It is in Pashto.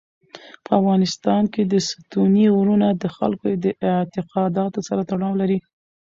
په افغانستان کې ستوني غرونه د خلکو د اعتقاداتو سره تړاو لري.